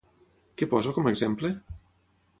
Què posa com a exemple?